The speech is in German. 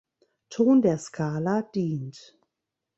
Ton der Skala dient.